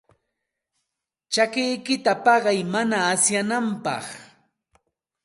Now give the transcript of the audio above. Chakikiyta paqay mana asyananpaq.